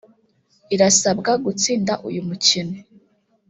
irasabwa gutsinda uyu mukino